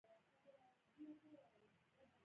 هرات بادونه لري